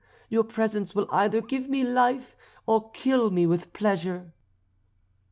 your presence will either give me life or kill me with pleasure."